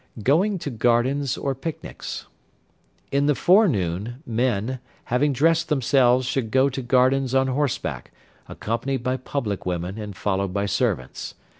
Going to Gardens or Picnics. In the forenoon, men, having dressed themselves should go to gardens on horseback, accompanied by public women and followed by servants.